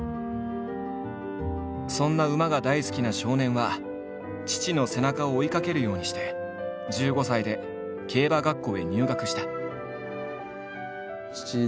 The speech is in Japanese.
そんな馬が大好きな少年は父の背中を追いかけるようにして１５歳で競馬学校へ入学した。